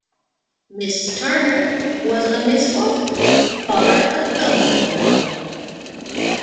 Mrs Turner was a Miss Walker, daughter of Governor Walker.